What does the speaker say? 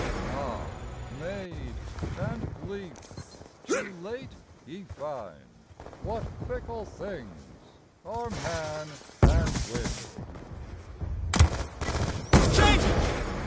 Ah, maid and leaf! too late ye find What fickle things are man and wind